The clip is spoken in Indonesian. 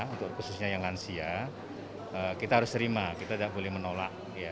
untuk khususnya yang lansia kita harus terima kita tidak boleh menolak